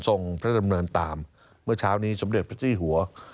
พระดำเนินตามเมื่อเช้านี้สมเด็จพระเจ้าหัว